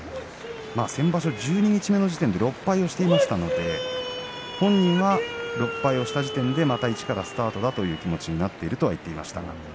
先場所は十二日目の時点で６敗をしていましたので本人はその時点でまた一からスタートだという気持ちになっていると言っていました。